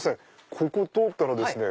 ここ通ったらですね